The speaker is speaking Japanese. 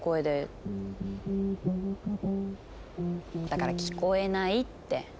だから聞こえないって。